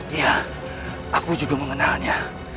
iya aku juga mengenalnya